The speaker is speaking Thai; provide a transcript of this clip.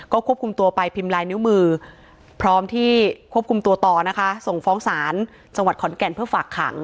ควบคุมตัวไปพิมพ์ลายนิ้วมือพร้อมที่ควบคุมตัวต่อนะคะส่งฟ้องศาลจังหวัดขอนแก่นเพื่อฝากขัง